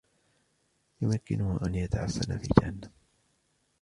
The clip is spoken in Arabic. يمكنه أن يتعفن في الجهنم.